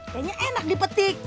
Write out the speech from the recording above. kayanya enak dipetik